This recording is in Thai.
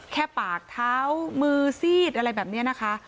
แค่ปากเท้ามือซีดอะไรแบบนี้นะคะ